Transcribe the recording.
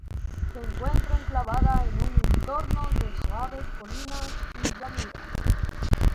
Se encuentra enclavada en un entorno de suaves colinas y llanuras.